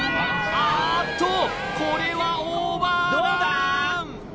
あーっとこれはオーバーラン